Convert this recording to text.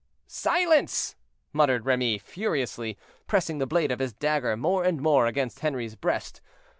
"Silence!" muttered Remy, furiously, pressing the blade of his dagger more and more against Henri's breast.